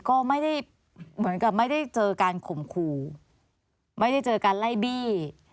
ก็ไม่ได้เหมือนกับไม่ได้เจอการข่มขู่ไม่ได้เจอการไล่บี้